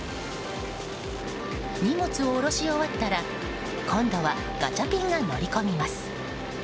荷物を下ろし終わったら今度はガチャピンが乗り込みます。